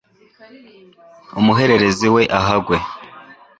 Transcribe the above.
umuhererezi we ahagwe